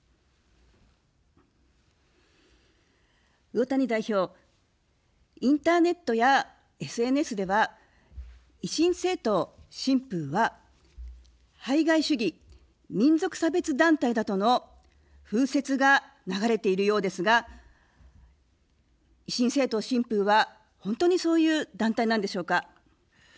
魚谷代表、インターネットやＳＮＳでは維新政党・新風は、排外主義、民族差別団体だとの風説が流れているようですが、維新政党・新風は、本当にそういう団体なのでしょうか。